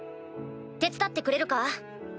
手伝ってくれるか？